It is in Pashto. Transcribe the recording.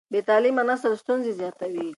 بې تعليمه نسل ستونزې زیاتوي.